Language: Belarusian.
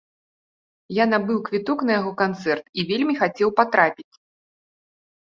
Я набыў квіток на яго канцэрт і вельмі хацеў патрапіць.